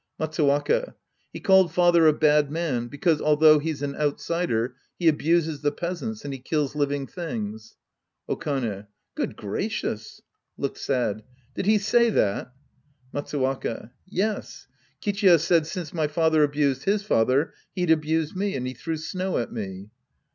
Matsttwaka. He called father a bad man because, although he's an pytsider, he abuses the peasants, and he kills living things. Okane. Good gracious! {Looks sad.) Did he say that ? Matsuwaka. Yes. Kichiya said since my father abused his father, he'd abuse me, and he threw snow at me.